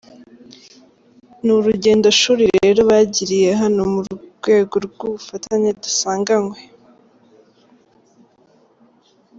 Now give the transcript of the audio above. Ni urugendo shuri rero bagiriye hano mu rwego rw’ubufatanye dusanganywe”.